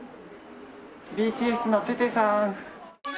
ＢＴＳのテテさん！